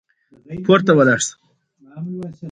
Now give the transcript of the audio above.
قلم د ښو یادونو ثبتوونکی دی